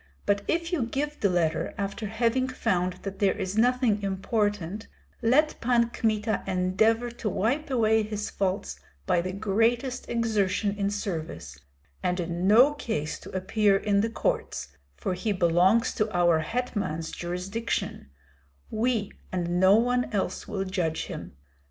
But if you give the letter after having found that there is nothing important, let Pan Kmita endeavor to wipe away his faults by the greatest exertion in service, and in no case to appear in the courts, for he belongs to our hetman's jurisdiction, we and no one else will judge him.